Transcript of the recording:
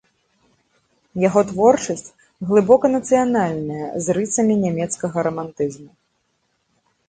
Яго творчасць глыбока нацыянальная, з рысамі нямецкага рамантызму.